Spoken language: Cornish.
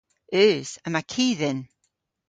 Eus. Yma ki dhyn.